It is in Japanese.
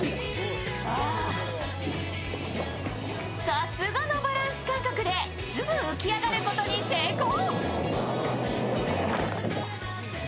さすがのバランス感覚ですぐ浮き上がることに成功。